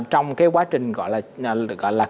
trong cái quá trình gọi là